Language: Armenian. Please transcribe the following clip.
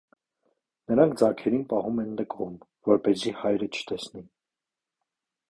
Նրանք ձագերին պահում են նկուղում, որպեսզի հայրը չտեսնի։